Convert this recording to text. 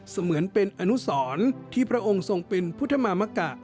เหมือนเป็นอนุสรที่พระองค์ทรงเป็นพุทธมามกะ